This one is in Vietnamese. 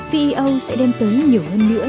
veo sẽ đem tới nhiều lần nữa